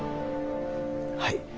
はい。